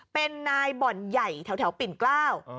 เป็นนายบ่อนใหญ่แถวปิ่นกล้า